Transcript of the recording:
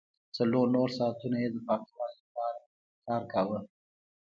څلور نور ساعتونه یې د پانګوال لپاره کار کاوه